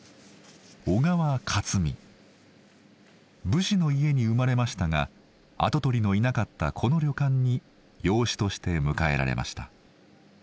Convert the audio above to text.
武士の家に生まれましたが跡取りのいなかったこの旅館に養子として迎えられました。